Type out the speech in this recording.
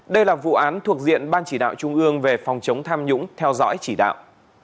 đây là vụ án thuộc diện ban chỉ đạo trung ương về phòng chống tham nhũng theo dõi chỉ đạo